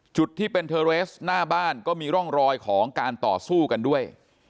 จุดที่เป็นเทอร์เรสหน้าบ้านก็มีร่องรอยของการต่อสู้กันด้วย